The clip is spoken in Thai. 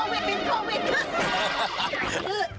ปินโควิด